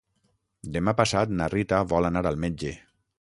Demà passat na Rita vol anar al metge.